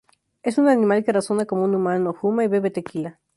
Es un animal que razona como un humano, fuma y bebe tequila.